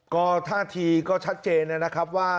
ก็ท่าทีก็ชัดเจนนะครับว่า